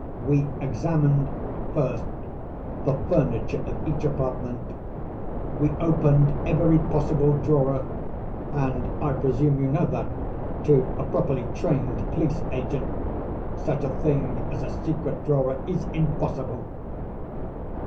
We examined, first, the furniture of each apartment. We opened every possible drawer; and I presume you know that, to a properly trained police agent, such a thing as a secret drawer is impossible.